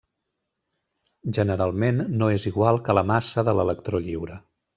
Generalment no és igual que la massa de l'electró lliure.